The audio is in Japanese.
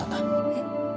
えっ？